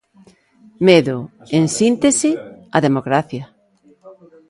Medo, en síntese, á democracia.